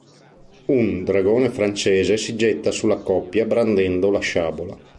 Un dragone francese si getta sulla coppia brandendo la sciabola.